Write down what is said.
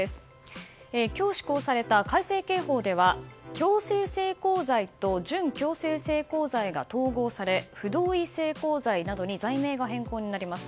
今日施行された改正刑法では強制性交罪と準強制性交罪が統合され不同意性交罪などに罪名が変更になります。